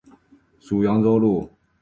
属扬州路。